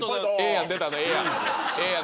「ええやん」